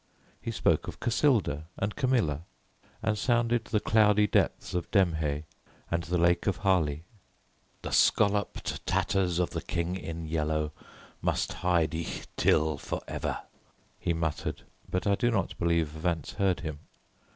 He spoke of Cassilda and Camilla, and sounded the cloudy depths of Demhe, and the Lake of Hali. "The scolloped tatters of the King in Yellow must hide Yhtill forever," he muttered, but I do not believe Vance heard him.